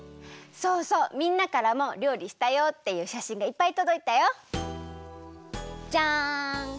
そうそうみんなからもりょうりしたよっていうしゃしんがいっぱいとどいたよ。じゃん！